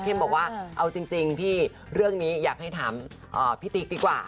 บอกว่าเอาจริงพี่เรื่องนี้อยากให้ถามพี่ติ๊กดีกว่า